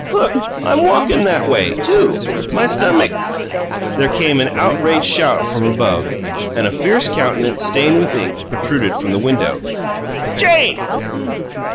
"Look! I'M walkin' that way, too. My stummick " There came an outraged shout from above, and a fierce countenance, stained with ink, protruded from the window. "Jane!"